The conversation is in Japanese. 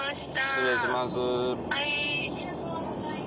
失礼します。